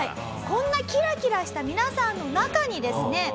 こんなキラキラした皆さんの中にですね。